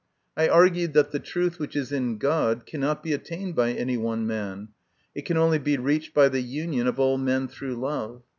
I argued that the truth which is in God cannot be attained by any one man it can only be reached by the union of all men through love.